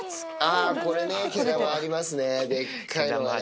ああ、これね、毛玉ありますね、でっかいのがね。